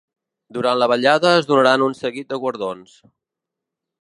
Durant la vetllada es donaran un seguit de guardons.